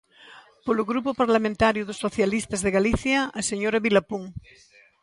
Polo Grupo Parlamentario dos Socialistas de Galicia, a señora Vilapún.